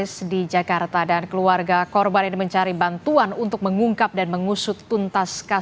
sudah ada prof adrianus meliala